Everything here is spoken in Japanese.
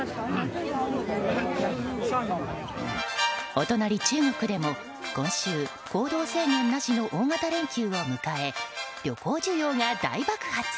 お隣中国でも今週、行動制限なしの大型連休を迎え旅行需要が大爆発。